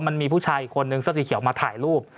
มันมีผู้ชายอีกคนหนึ่งสตเขียวมาถ่ายรูป